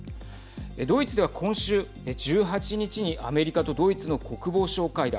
ドイツでは今週１８日にアメリカとドイツの国防相会談。